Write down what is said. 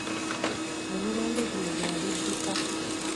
Emirembe gino gya bidduka.